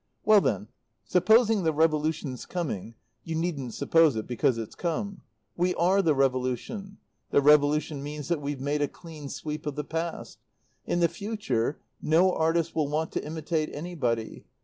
Well then, supposing the revolution's coming you needn't suppose it, because it's come. We are the revolution the revolution means that we've made a clean sweep of the past. In the future no artist will want to imitate anybody.